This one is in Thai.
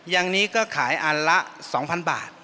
ยังนี้ก็ขายอันละสองพันบาท